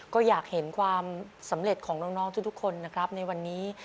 ก็อยากเห็นความสำเร็จของน้องทุกคนนะครับในวันนี้